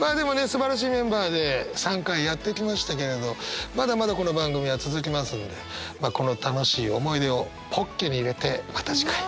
すばらしいメンバーで３回やってきましたけれどまだまだこの番組は続きますのでこの楽しい思い出をポッケに入れてまた次回。